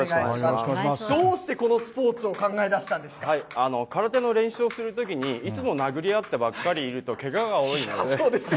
どうしてこのスポーツを考え空手の練習をするときに、いつも殴り合ってばっかりいると、けがが多いので。